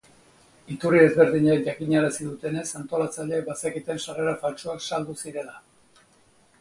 Iturri ezberdinek jakinarazi dutenez, antolatzaileek bazekiten sarrera faltsuak saldu zirela.